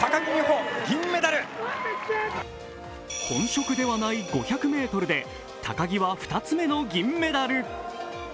本職ではない５００ｍで高木は２つ目の銀メダル。